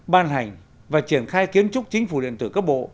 ban hành và triển khai kiến trúc chính phủ điện tử cấp bộ